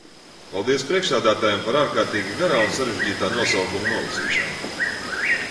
Paldies priekšsēdētājam par ārkārtīgi garā un sarežģītā nosaukuma nolasīšanu.